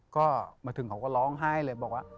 ก็มาถึงเขาก็ร้องไห้เลยบอกว่า